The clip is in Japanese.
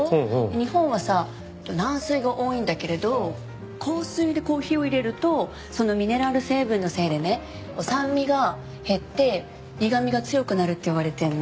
日本はさ軟水が多いんだけれど硬水でコーヒーを入れるとそのミネラル成分のせいでね酸味が減って苦みが強くなるっていわれてるの。